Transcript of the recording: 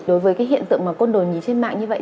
đối với cái hiện tượng mà côn đồ nhí trên mạng như vậy